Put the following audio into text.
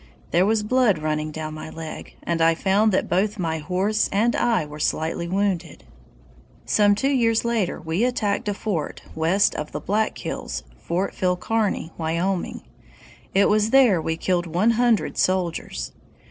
There was blood running down my leg, and I found that both my horse and I were slightly wounded. "Some two years later we attacked a fort west of the Black Hills [Fort Phil Kearny, Wyoming]. It was there we killed one hundred soldiers."